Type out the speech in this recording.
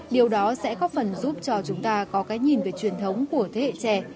điều đó sẽ có phần giúp cho chúng ta có cái nhìn về truyền thống của thế hệ trẻ